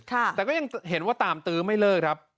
แต่ก็ยังเห็นว่าตามตื้อไม่เลิกครับ